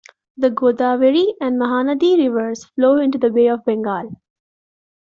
The Godavari and Mahanadi rivers flow into the Bay of Bengal.